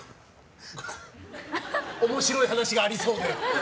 面白い話がありそうで。